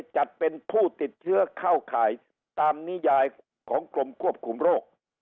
จัดเป็นผู้ติดเชื้อเข้าข่ายตามนิยายของกรมควบคุมโรค